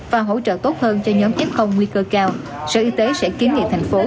và hỗ trợ tốt hơn cho nhóm nguy cơ cao sở y tế sẽ kiến nghị thành phố